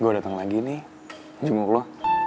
gue datang lagi nih jam lo